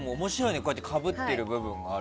こうやってかぶってる部分がある。